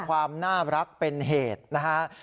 ความน่ารักเป็นเหตุนะฮะ